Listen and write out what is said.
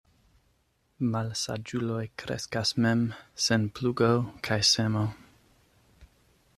Malsaĝuloj kreskas mem, sen plugo kaj semo.